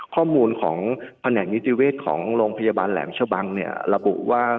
ข้อมูลของแผนกนิติเวศของโรงพยาบาลแหลมชะบังเนี่ยระบุว่า